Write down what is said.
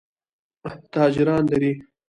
تاجران لري.